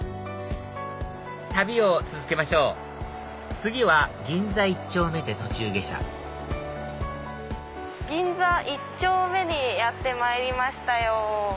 旅を続けましょう次は銀座一丁目で途中下車銀座一丁目にやってまいりましたよ。